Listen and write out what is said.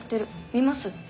見ます？